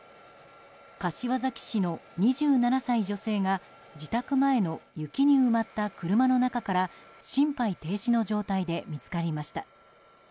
柏崎市の２７歳女性が自宅前の雪に埋まった車の中から心肺停止の状態で見つかりました。